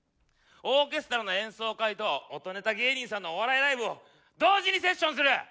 オーケストラの演奏会と音ネタ芸人さんのお笑いライブを同時にセッションする！